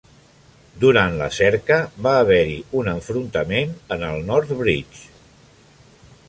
Durant la cerca, va haver-hi un enfrontament en el North Bridge.